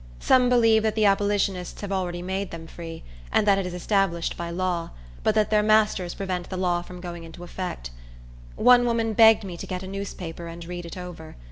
Some believe that the abolitionists have already made them free, and that it is established by law, but that their masters prevent the law from going into effect. One woman begged me to get a newspaper and read it over.